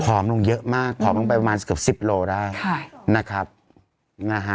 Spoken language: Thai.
อมลงเยอะมากผอมลงไปประมาณเกือบสิบโลได้ค่ะนะครับนะฮะ